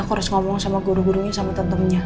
aku harus ngomong sama guru gurunya sama temennya